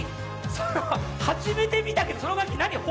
それ初めて見たけどその楽器何よ